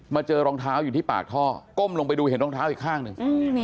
เจอรองเท้าอยู่ที่ปากท่อก้มลงไปดูเห็นรองเท้าอีกข้างหนึ่ง